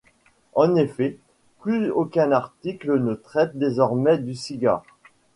En effet, plus aucun article ne traite désormais du cigare.